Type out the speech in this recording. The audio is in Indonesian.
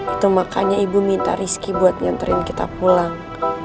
itu makanya ibu minta rizky buat nyanterin kita pulang